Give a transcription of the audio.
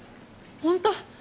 ホント？